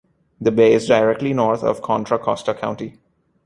The bay is directly north of Contra Costa County.